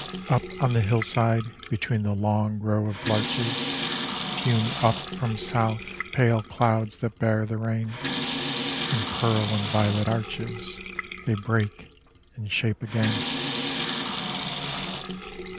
Up on the hillside between the long row of larches Fume up from south pale clouds that bear the rain; In pearl and violet arches They break and shape again.